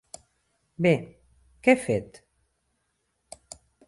Bé, què he fet?